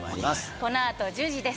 この後１０時です。